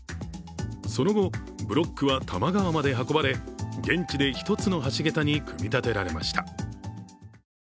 その後、ブロックは多摩川まで運ばれ、現地で１つの橋桁に組み立てられました。